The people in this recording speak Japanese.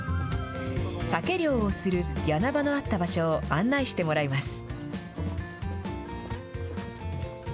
サケ漁をするやな場のあった場所を案内してもらいます。